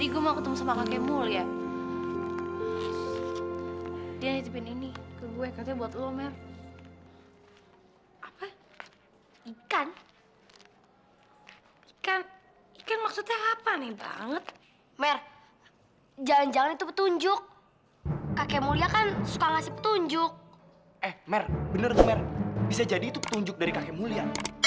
gak ada mulia